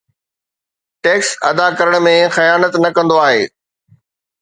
tax ادا ڪرڻ ۾ خيانت نه ڪندو آهي